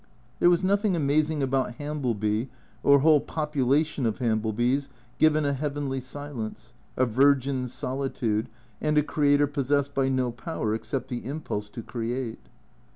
There was nothing amazing about Hambleby or a whole popu lation of Hamblebys, given a heavenly silence, a virgin solitude, and a creator possessed by no power except the impulse to create.